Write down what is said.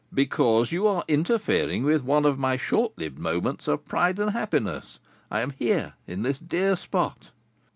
"Because you are interfering with one of my short lived moments of pride and happiness. I am here, in this dear spot!"